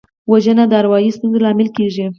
وژنه د اروايي ستونزو لامل کېږي